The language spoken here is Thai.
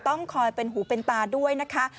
ต้องคอยเป็นหูเป็นตาด้วยนะคะ